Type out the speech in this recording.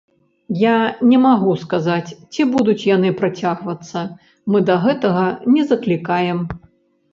Я не магу сказаць, ці будуць яны працягвацца, мы да гэтага не заклікаем.